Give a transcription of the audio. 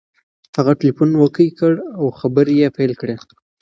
هغه ټلیفون اوکې کړ او خبرې یې پیل کړې.